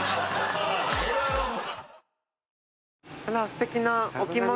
すてきなお着物。